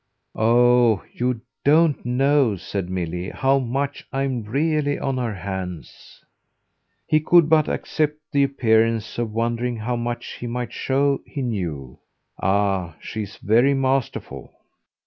"Oh you don't know," said Milly, "how much I'm really on her hands." He could but accept the appearance of wondering how much he might show he knew. "Ah she's very masterful."